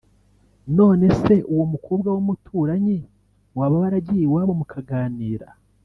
Nono se uwo mukobwa wumuturanyi waba waragiye iwabo mukaganira